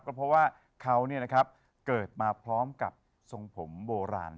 ก็เพราะว่าเขาเนี่ยนะครับเกิดมาพร้อมกับทรงผมโบราณ